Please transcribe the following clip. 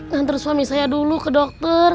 ngantar suami saya dulu ke dokter